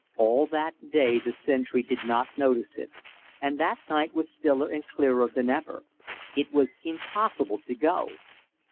All that day the sentry did not notice it, and that night was stiller and clearer than ever. It was impossible to go.